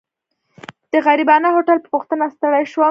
د غریبانه هوټل په پوښتنه ستړی شوم.